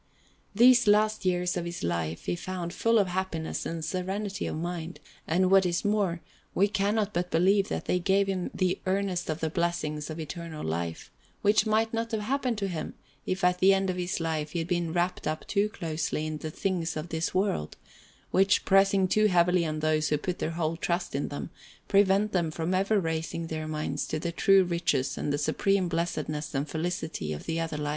These last years of his life he found full of happiness and serenity of mind, and, what is more, we cannot but believe that they gave him the earnest of the blessings of eternal life; which might not have happened to him if at the end of his life he had been wrapped up too closely in the things of this world, which, pressing too heavily on those who put their whole trust in them, prevent them from ever raising their minds to the true riches and the supreme blessedness and felicity of the other life.